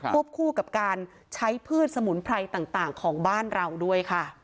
วบคู่กับการใช้พืชสมุนไพรต่างของบ้านเราด้วยค่ะ